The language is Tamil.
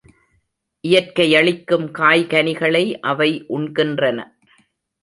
இயற்கையளிக்கும் காய்கனிகளை அவை உண்கின்றன.